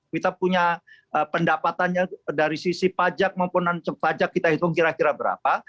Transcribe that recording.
kita punya pendapatannya dari sisi pajak maupun non pajak kita hitung kira kira berapa